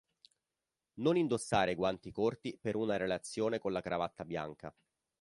Non indossare guanti corti per una relazione con la cravatta bianca.